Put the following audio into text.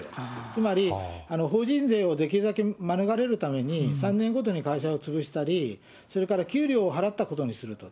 つまり法人税をできるだけ免れるために、３年ごとに会社を潰したり、それから給料を払ったことにすると。